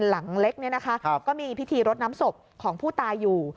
หลังเล็กก็มีพิธีรดน้ำศพของผู้ตายอยู่